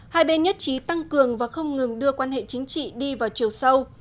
hai bên nhất trí tăng cường và không ngừng đưa quan hệ chính trị đi vào chiều sâu